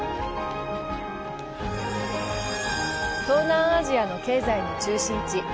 東南アジアの経済の中心地